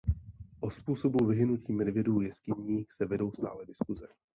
O způsobu vyhynutí medvědů jeskynních se vedou stále diskuse.